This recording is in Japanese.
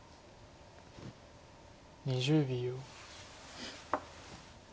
２０秒。